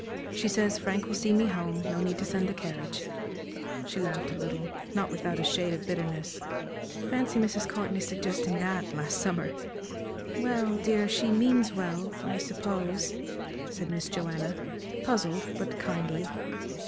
She says 'Frank will see me home no need to send the carriage.'" She laughed a little, not without a shade of bitterness. "Fancy Mrs. Courtenay suggesting that last summer!" "Well, dear, she means well, I suppose," said Miss Joanna, puzzled but kindly.